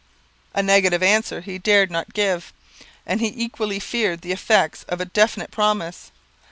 A negative answer he dared not give; and he equally feared the effect of a definite promise.